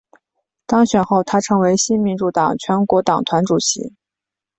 当选后她成为新民主党全国党团主席。